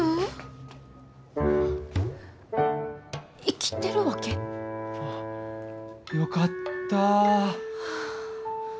生きてるわけ？あっよかった。